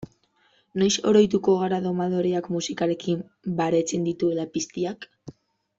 Noiz oroituko gara domadoreak musikarekin baretzen dituela piztiak?